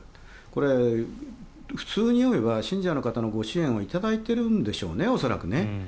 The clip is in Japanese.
これ、普通に読めば信者の方のご支援を頂いているんでしょうね恐らくね。